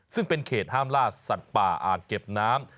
ซึ่งเป็นเขตห้ามล่าสัตว์ป่าอ่างเก็บน้ำ